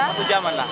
satu jam mana